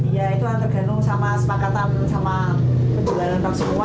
iya itu akan tergenung sama sepakatan sama penjualan lentok semua